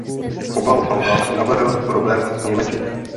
Obal alba navrhl Róbert Němeček.